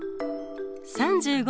３５